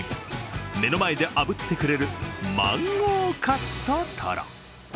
目の前であぶってくれるマンゴーカットトロ。